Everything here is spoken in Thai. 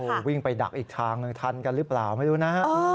โอ้โหวิ่งไปดักอีกทางหนึ่งทันกันหรือเปล่าไม่รู้นะฮะ